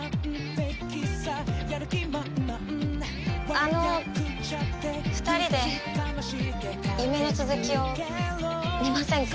あの２人で夢の続きを見ませんか？